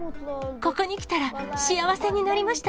ここに来たら、幸せになりました。